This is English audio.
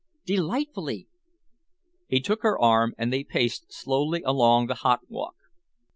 "Delightfully!" He took her arm and they paced slowly along the hot walk.